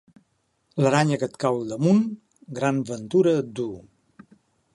L'aranya que et cau al damunt, gran ventura et duu.